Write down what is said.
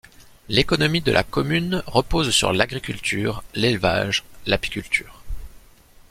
L'économie de la commune repose sur l'agriculture, l'élevage, l'apiculture.